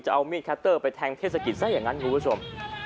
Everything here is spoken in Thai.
เอามีดคัตเตอร์ไปแทงเทศกิจซะอย่างนั้นคุณผู้ชม